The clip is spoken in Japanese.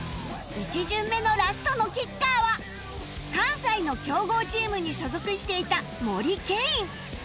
１巡目のラストのキッカーは関西の強豪チームに所属していた森ケイン